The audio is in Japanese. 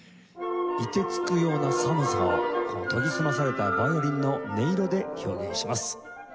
凍てつくような寒さを研ぎ澄まされたヴァイオリンの音色で表現します。